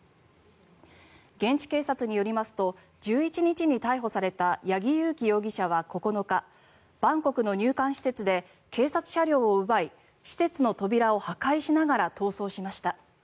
現地警察によりますと１１日に逮捕された八木佑樹容疑者は９日バンコクの入管施設で警察車両を奪い施設の扉を破壊しながら逃走しました。